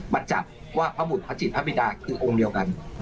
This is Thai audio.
มาจับว่าพระบุตรพระจิตพระบิดาคือองค์เดียวกัน